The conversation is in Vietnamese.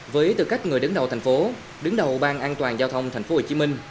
với tư cách người đứng đầu thành phố đứng đầu ban an toàn giao thông tp hcm